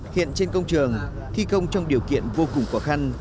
hiện trên công trường thi công trong điều kiện vô cùng khó khăn